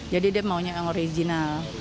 jadi dia maunya yang original